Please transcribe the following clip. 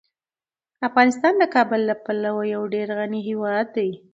افغانستان د کابل له پلوه یو ډیر غني هیواد دی.